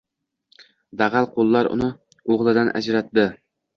Dag‘al qo‘llar uni o‘g‘lidan ajratdi